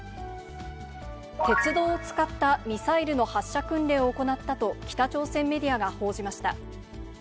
鉄道を使ったミサイルの発射訓練を行ったと北朝鮮メディアが報じました。